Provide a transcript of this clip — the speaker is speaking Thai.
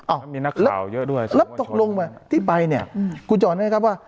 อ้าวมันมีนักข่าวเยอะด้วยรับตกลงมาที่ไปเนี่ยอืมกูจะออกนะครับว่า